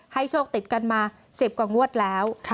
ให้โชว์ติดกันมา๑๐กว่างวัดแล้ว